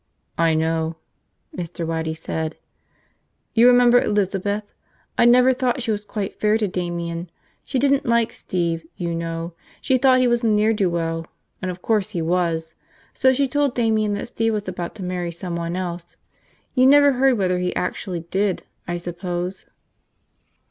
"I know," Mr. Waddy said. "You remember Elizabeth? I never thought she was quite fair with Damian. She didn't like Steve, you know, she thought he was a ne'er do well – and of course he was. So she told Damian that Steve was about to marry someone else. You never heard whether he actually did, I suppose?"